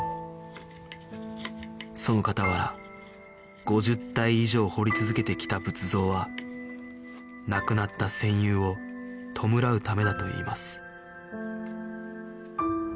その傍ら５０体以上彫り続けてきた仏像はなくなった戦友を弔うためだと言います